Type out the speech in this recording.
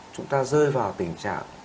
chúng ta rơi vào tình trạng